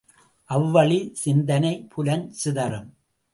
அவ்வழி சிந்தனைப் புலன் சிதறும்.